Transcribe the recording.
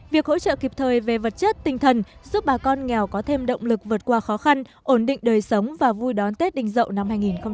việc hỗ trợ kịp thời về vật chất tinh thần giúp bà con nghèo có thêm động lực vượt qua khó khăn ổn định đời sống và vui đón tết đình dậu năm hai nghìn hai mươi